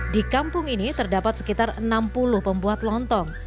di kampung ini terdapat sekitar enam puluh pembuat lontong